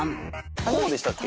こうでしたっけ？